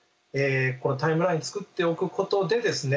タイムライン作っておくことでですね